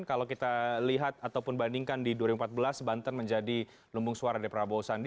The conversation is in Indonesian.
kalau kita lihat ataupun bandingkan di dua ribu empat belas banten menjadi lumbung suara dari prabowo sandi